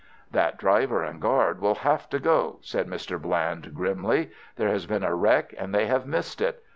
"That driver and guard will have to go," said Mr. Bland, grimly. "There has been a wreck and they have missed it.